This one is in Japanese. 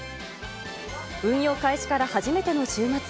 運用開始から初めての週末。